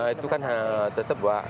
itu kan tetap wak